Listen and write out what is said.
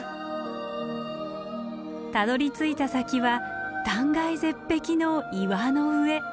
たどりついた先は断崖絶壁の岩の上。